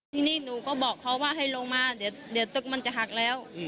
ทีนี้หนูก็บอกเขาว่าให้ลงมาเดี๋ยวตึกมันจะหักแล้ว